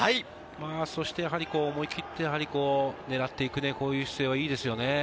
そして思い切って狙っていく姿勢はいいですね。